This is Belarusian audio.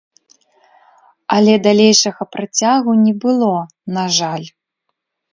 Але далейшага працягу не было, на жаль.